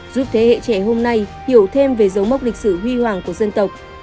giúp thế hệ trẻ hôm nay hiểu thêm về dấu mốc lịch sử huy hoàng của dân tộc